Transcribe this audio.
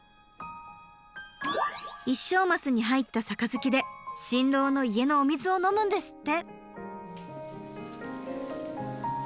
一升マスに入った杯で新郎の家のお水を飲むんですって。